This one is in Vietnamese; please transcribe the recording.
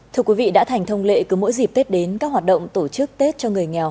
thưa quý vị đã thành thông lệ cứ mỗi dịp tết đến các hoạt động tổ chức tết cho người nghèo